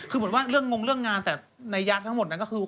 คือเหมือนว่าเรื่องงงเรื่องงานแต่นัยยะทั้งหมดนั้นก็คือ